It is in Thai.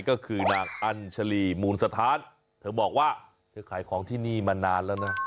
ก็คือนางอัญชลีมูลสถานเธอบอกว่าเธอขายของที่นี่มานานแล้วนะ